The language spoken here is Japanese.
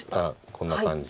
こんな感じ。